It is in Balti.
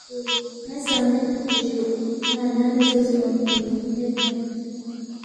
اُہُو، ن٘ا زا مید اتا جُو، ن٘ا اَنا نہ زوسے اونگفی اِن میدمید